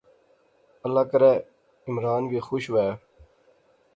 اللہ کرے عمران وی خوش وہے